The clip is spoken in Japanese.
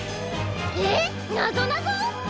えっなぞなぞ！？